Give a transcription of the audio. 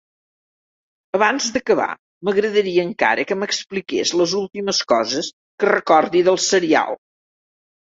Abans d'acabar m'agradaria encara que m'expliqués les últimes coses que recordi del serial.